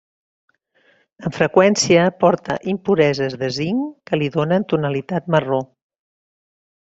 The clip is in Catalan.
Amb freqüència porta impureses de zinc que li donen tonalitat marró.